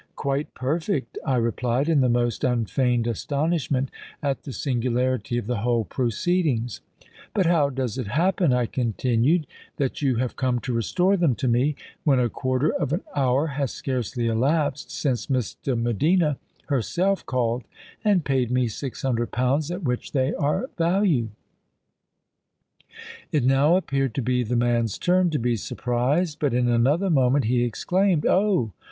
—'Quite perfect,' I replied in the most unfeigned astonishment at the singularity of the whole proceedings. 'But how does it happen,' I continued,'_that you have come to restore them to me, when a quarter of an hour has scarcely elapsed since Miss de Medina herself called and paid me six hundred pounds at which they are valued?_'—It now appeared to be the man's turn to be surprised: but, in another moment, he exclaimed,'_Oh!